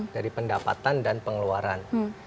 dari pendapatan dan pengeluaran